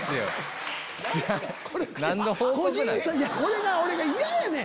これが俺が嫌やねん。